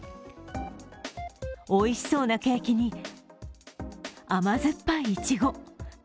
おいしそうなケーキに甘酸っぱいいちご。